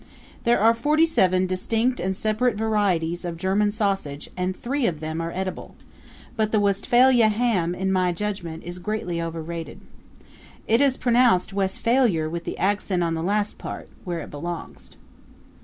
There are forty seven distinct and separate varieties of German sausage and three of them are edible; but the Westphalia ham, in my judgment, is greatly overrated. It is pronounced Westfailure with the accent on the last part, where it belongs.